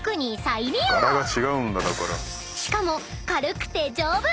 ［しかも軽くて丈夫］